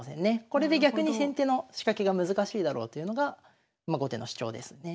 これで逆に先手の仕掛けが難しいだろうというのが後手の主張ですよね。